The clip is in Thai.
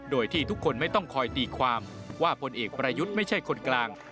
โดยที่ทุกคนไม่ต้องคอยตีความว่าพลเอกประยุทธ์ไม่ใช่คนกลาง